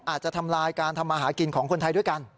ทำลายการทำมาหากินของคนไทยด้วยกัน